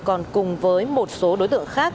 còn cùng với một số đối tượng khác